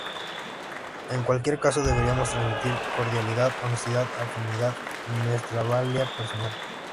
En cualquier caso, deberíamos transmitir cordialidad, honestidad, afinidad y nuestra valía personal.